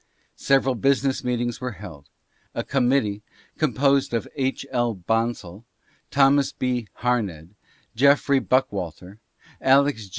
Several business meetings were held. A committee, composed of H. L. Bonsall, Thomas B. Harned, Geoffrey Buckwalter, Alex.